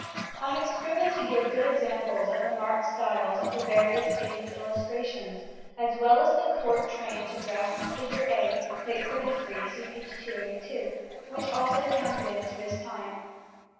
] I have striven to give good examples of the marked styles in the various dated illustrations, as well as the court train to dress, Fig. A, Plate XXXIII (see p. 282), which also comes into this time.